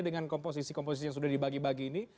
dengan komposisi komposisi yang sudah dibagi bagi ini